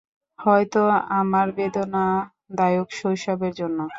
হয়তো আমার বেদনাদায়ক শৈশবের জন্য।